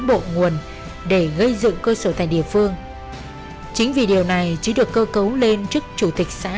bộ nguồn để gây dựng cơ sở tại địa phương chính vì điều này chí được cơ cấu lên chức chủ tịch xã